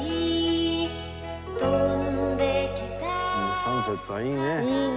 サンセットはいいね。